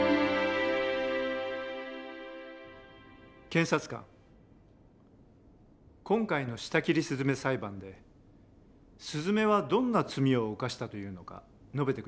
検察官今回の「舌切りすずめ」裁判ですずめはどんな罪を犯したというのか述べて下さい。